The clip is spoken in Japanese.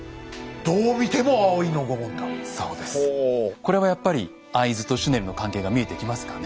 これはやっぱり会津とシュネルの関係が見えてきますかね。